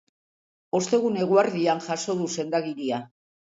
Ostegun eguerdian jaso du senda-agiria.